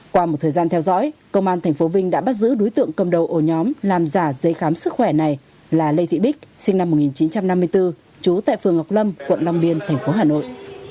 qua một thời gian theo dõi công an tp vinh đã bắt giữ đối tượng cầm đầu ổ nhóm làm giả giấy khám sức khỏe này là lê thị bích sinh năm một nghìn chín trăm năm mươi bốn trú tại phường ngọc lâm quận long biên thành phố hà nội